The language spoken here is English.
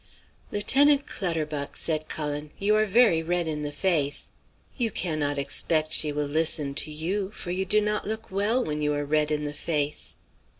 "'Lieutenant Clutterbuck,' said Cullen, 'you are very red in the face. You cannot expect she will listen to you, for you do not look well when you are red in the face.'